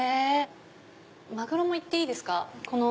⁉マグロもいっていいですか？